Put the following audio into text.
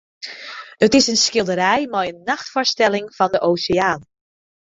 It is in skilderij mei in nachtfoarstelling fan de oseaan.